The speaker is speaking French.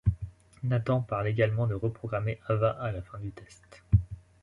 Nathan parle également de reprogrammer Ava à la fin du test.